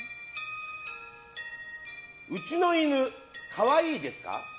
うちの犬、可愛いですか？